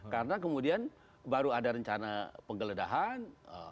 karena kemudian baru ada rencana penggeledahan